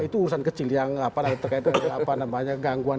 itu urusan kecil yang terkait dengan gangguan